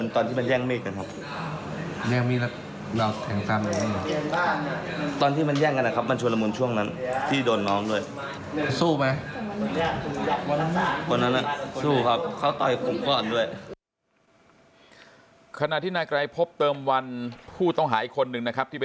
แต่ว่าที่เหลือมันตอนที่มันแย่งเมฆกันครับ